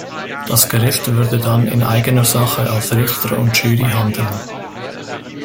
Das Gericht würde dann in eigener Sache als Richter und Jury handeln.